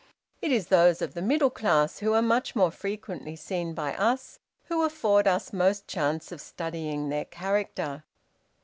It is those of the middle class, who are much more frequently seen by us, who afford us most chance of studying their character.